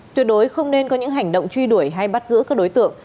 tuyệt đối không nên có những hành động truy đuổi hay bắt giữ các đối tượng